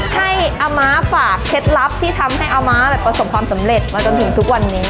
ให้อาม้าฝากเคล็ดลับที่ทำให้อาม้าประสบความสำเร็จมาจนถึงทุกวันนี้